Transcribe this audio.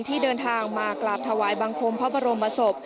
ที่เดินทางมากราบถวายบังคมพระบรมศพ